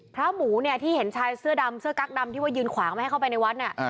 หมูเนี่ยที่เห็นชายเสื้อดำเสื้อกั๊กดำที่ว่ายืนขวางไม่ให้เข้าไปในวัด